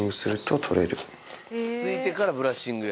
すいてからブラッシングや。